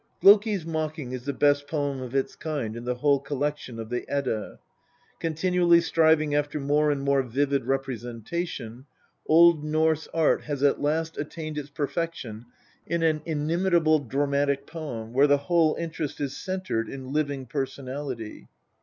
" Loki's Mocking " is the best poem of its kind in the whofe collection of the Edda. Continually striving after more and more vivid representation, Old Norse art has at last attained its perfection in an inimitable dramatic poem, where the whole interest is centred in living personality.